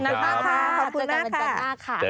ขอบคุณมากค่ะขอบคุณมากค่ะ